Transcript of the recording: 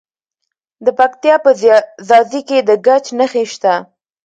د پکتیا په ځاځي کې د ګچ نښې شته.